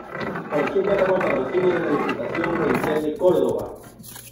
La colección cuenta con el patrocinio de la Diputación Provincial de Córdoba.